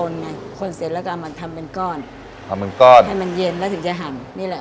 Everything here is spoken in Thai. ในนี้ใสอะไรบ้างครับ